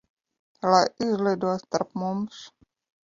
Lai izlido starp mums.